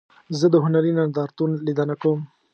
زه د هنري نندارتون لیدنه کوم.